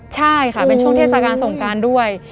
ใช่ค่ะเป็นช่วงเทศกาลสงการด้วย